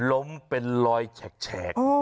ล้มเป็นรอยแฉก